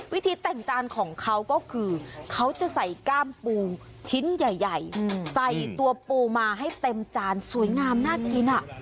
วิธีแต่งจานของเขาก็คือเขาจะใส่ก้ามปูชิ้นใหญ่ใส่ตัวปูมาให้เต็มจานสวยงามน่ากิน